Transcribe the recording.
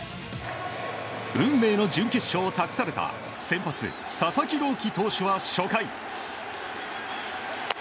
運命の準決勝を託された先発、佐々木朗希投手は初回。